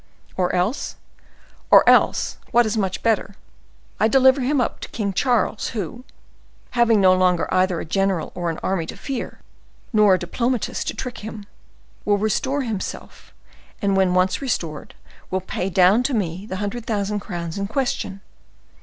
"Or else—" "Or else, what is much better, I deliver him up to King Charles, who, having no longer either a general or an army to fear, nor a diplomatist to trick him, will restore himself, and when once restored, will pay down to me the hundred thousand crowns in question.